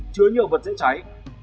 chứa nhiều vật chữa cháy